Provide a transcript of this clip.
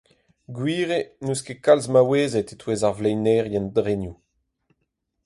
Gwir eo n’eus ket kalz maouezed e-touez ar vleinerien-drenioù.